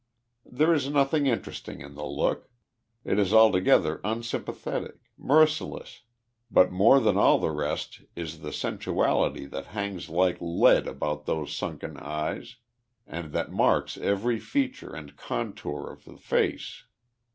There is nothing interesting in the look. It is altogether un sympathetic, merciless. But more than all the rest is the sensu ality that hangs like lead about those sunken eyes, and that marks every feature and contour of the face.